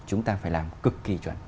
chúng ta phải làm cực kỳ chuẩn